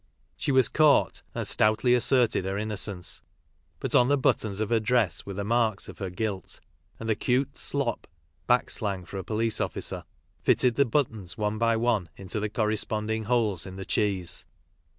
She was caught, and stoutly asserted her innocence, but on the buttons of her dress were the marks of her guilt, and the 'cute slop (back slang for a police officer) fitted the buttons one by one into the corresponding holes in the cheese.